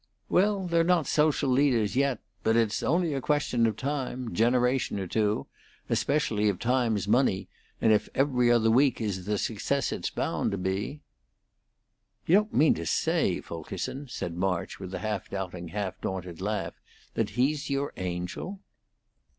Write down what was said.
"Well, they're not social leaders yet. But it's only a question of time generation or two especially if time's money, and if 'Every Other Week' is the success it's bound to be." "You don't mean to say, Fulkerson," said March, with a half doubting, half daunted laugh, "that he's your Angel?"